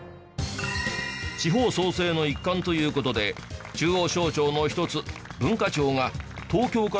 地方創生の一環という事で中央省庁の１つ文化庁が東京から京都へ移転。